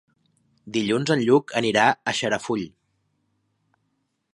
Dilluns en Lluc anirà a Xarafull.